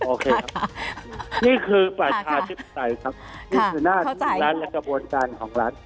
โอเคครับนี่คือประชาธิปไตยครับนี่คือหน้าที่ของรัฐและกระบวนการของรัฐ